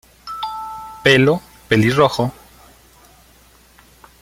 Pelo: pelirrojo.